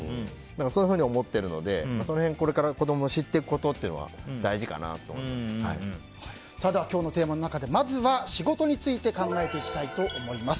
そういうふうに思っているので子供がこれから知っていくことは今日のテーマの中でまずは仕事について考えていきたいと思います。